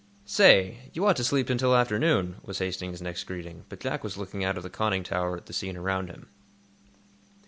"Say, you ought to sleep until afternoon," was Hastings's next greeting, but Jack was looking out of the conning tower at the scene around him.